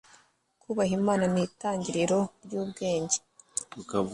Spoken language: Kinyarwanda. Kubaha Imana ni itangiriro ryubwenge